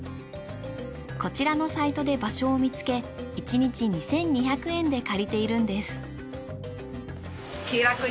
こちらのサイトで場所を見つけ１日２，２００円で借りているんです。